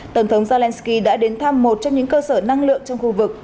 tổng thống zelensky đã đến thăm một trong những cơ sở năng lượng trong khu vực